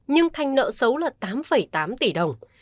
nhưng thanh nợ xấu là tám tám triệu đồng